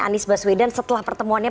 anies baswedan setelah pertemuannya